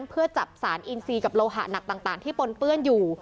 เพื่อจับสารอินซีกับโลหะหนักต่างที่ปนเปื้อนอยู่